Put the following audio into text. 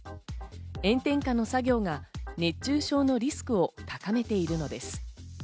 炎天下の作業が熱中症のリスクを高めているのです。